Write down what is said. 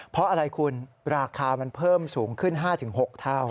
เพราะอะไรคุณราคามันเพิ่มสูงขึ้น๕๖เท่า